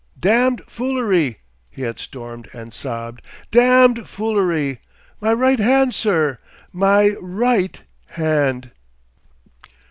"Damned foolery," he had stormed and sobbed, "damned foolery. My right hand, sir! My right hand.